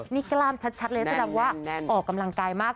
นี่กล้ามชัดเลยแสดงว่าออกกำลังกายมาก